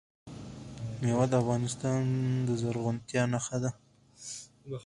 مېوې د افغانستان د زرغونتیا نښه ده.